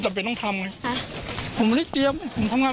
เช้านี้เขากำจับขอเสื้อมาแล้ว